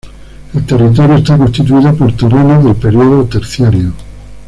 El territorio está constituido por terrenos del periodo terciario.